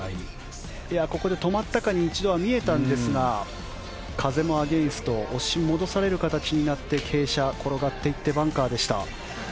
途中で止まったかに一度は見えたんですが風がアゲンスト押し戻される形になって傾斜、転がっていってバンカーでした。